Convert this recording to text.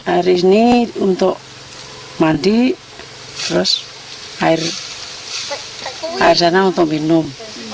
air ini untuk mandi terus air sana untuk minum